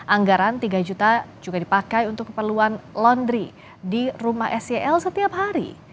anggaran tiga juta juga dipakai untuk keperluan laundry di rumah sel setiap hari